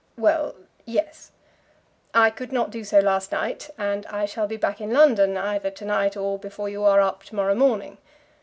"Well; yes. I could not do so last night, and I shall be back in London either to night or before you are up to morrow morning."